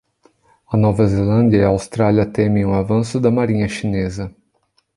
A Nova Zelândia e a Austrália temem o avanço da marinha chinesa